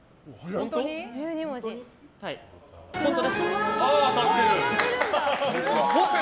本当に？